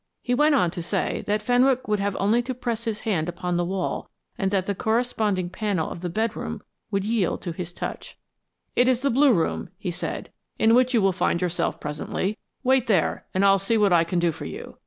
He went on to say that Fenwick would only have to press his hand upon the wall and that the corresponding panel of the bedroom would yield to his touch. "It is the Blue Room," he said, "in which you will find yourself presently. Wait there and I'll see what I can do for you.